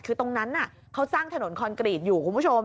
คือตรงนั้นเขาสร้างถนนคอนกรีตอยู่คุณผู้ชม